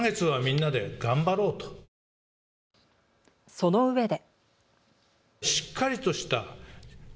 そのうえで。